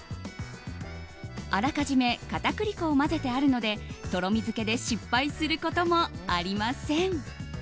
あらかじめ片栗粉を混ぜてあるのでとろみづけで失敗することもありません。